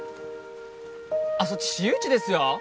そっち私有地ですよ・